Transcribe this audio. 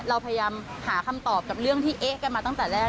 เราพยายามหาคำตอบกับเรื่องที่เอ๊ะกันมาตั้งแต่แรก